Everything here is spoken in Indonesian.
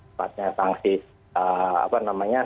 sifatnya sanksi apa namanya